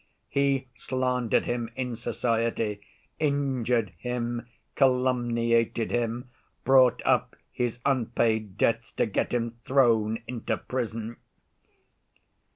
He slandered him in society, injured him, calumniated him, bought up his unpaid debts to get him thrown into prison.